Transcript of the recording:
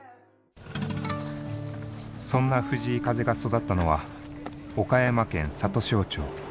そんな藤井風が育ったのは岡山県里庄町。